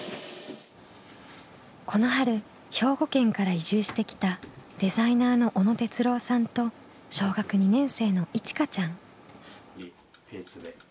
この春兵庫県から移住してきたデザイナーの小野哲郎さんと小学２年生のいちかちゃん。